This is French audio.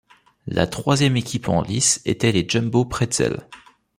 La troisième équipe en lice était les Jumbo Pretzel.